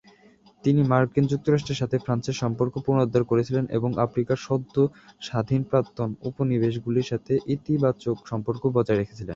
তিনি মার্কিন যুক্তরাষ্ট্রের সাথে ফ্রান্সের সম্পর্ক পুনরুদ্ধার করেছিলেন এবং আফ্রিকার সদ্য স্বাধীন প্রাক্তন উপনিবেশগুলির সাথে ইতিবাচক সম্পর্ক বজায় রেখেছিলেন।